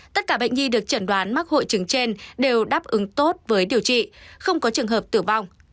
tất cả bệnh nhi được chẩn đoán mắc hội chứng trên đều đáp ứng tốt với điều trị không có trường hợp tử vong